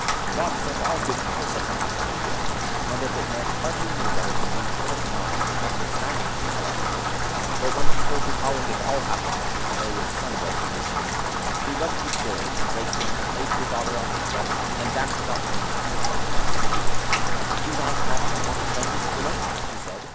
Gods send all good people such a happy New Year!" Mother Bittner hardly knew whether to believe Philip or not, notwithstanding she saw the gold. But when he told her how it had all happened though with some reservations she wept with joy, embraced him, laid her her daughter on his breast, and then danced about the room in a perfect ecstasy, "Do thy father and mother know this, Philip?" she said.